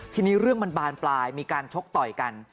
ทีนี้เรื่องมันบานปลายมีการชกต่อยกัน